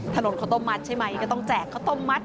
ถนนข้าวต้มมัดใช่ไหมก็ต้องแจกข้าวต้มมัด